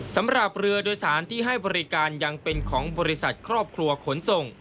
สำหรับเรือโดยสารที่ให้บริการยังเป็นของบริษัทครอบครัวขนส่ง